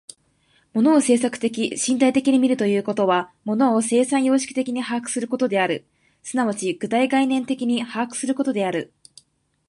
物を制作的身体的に見るということは、物を生産様式的に把握することである、即ち具体概念的に把握することである。